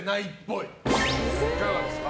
いかがですか？